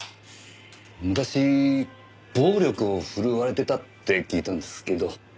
昔暴力を振るわれてたって聞いたんですけど。